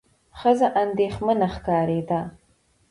ښځه اندېښمنه ښکارېده.